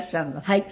はい。